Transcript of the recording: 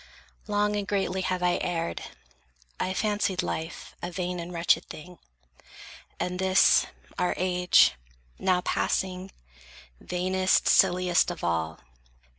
Long And greatly have I erred. I fancied life A vain and wretched thing, and this, our age, Now passing, vainest, silliest of all.